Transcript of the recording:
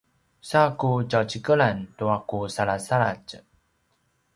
sa ku tjaucikelan tua ku salasaladj